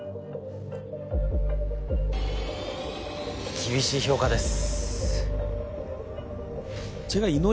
厳しい評価です。